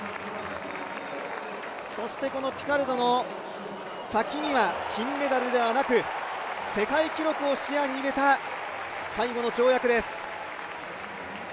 そしてこのピカルドの先には金メダルではなく世界記録を視野に入れた最後の跳躍です。